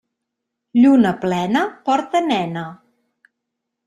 Lluna plena, porta nena.